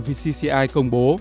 vcci công bố